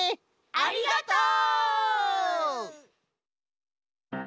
ありがとう！